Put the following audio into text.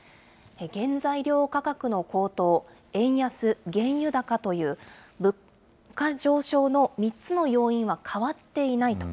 原材料価格の高騰、円安、原油高という物価上昇の３つの要因は変わっていないと。